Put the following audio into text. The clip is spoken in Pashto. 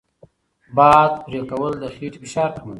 باد پرې کول د خېټې فشار کموي.